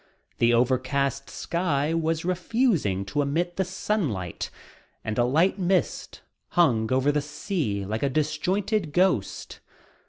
The overcast sky was refusing to emit the sunlight and a light mist hung over the sea like a disjointed ghost.